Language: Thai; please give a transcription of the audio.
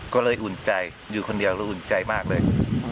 ก็เลยอุ่นใจอยู่คนเดียวแล้วอุ่นใจมากเลย